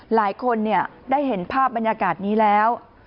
หลายคนได้เห็นภาพบรรยากาศนี้แล้ว